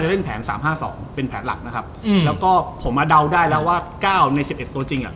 และทุ่อนโดไปได้แล้วว่ามีใครไหม